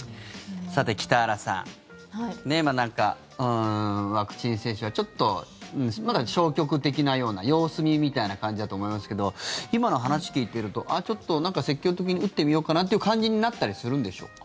さて、北原さんなんかワクチン接種はちょっと、まだ消極的なような様子見みたいな感じだと思いますけど今の話聞いているとちょっと積極的に打ってみようかなっていう感じになったりするんでしょうか？